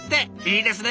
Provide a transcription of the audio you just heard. いいですね。